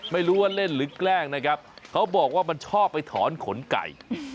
ไม่รู้ว่าเล่นหรือแกล้งนะครับเขาบอกว่ามันชอบไปถอนขนไก่